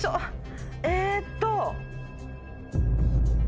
えっと。